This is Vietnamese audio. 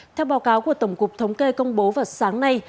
theo báo cáo của tổng cục thống kê công bố vào sáng nay